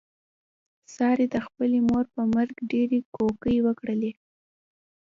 سارې د خپلې مور په مرګ ډېرې کوکې وکړلې.